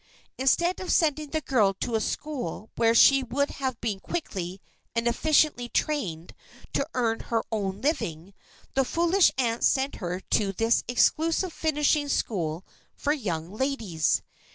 Instead of sending the girl to a school where she would have been quickly and efficiently trained to earn her own living, the foolish aunt sent her to this exclusive finishing school for young ladies.